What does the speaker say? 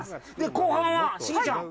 後半は、シゲちゃん。